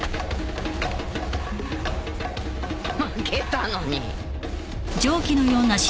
負けたのに。